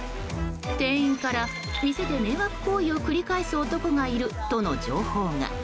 店員から店で迷惑行為を繰り返す男がいるとの情報が。